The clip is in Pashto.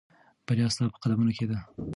بریا ستا په قدمونو کې ده.